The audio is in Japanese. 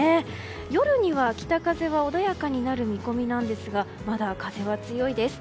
夜には北風は穏やかになる見込みなんですがまだ風は強いです。